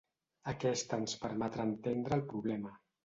Aquesta ens permetrà entendre el problema.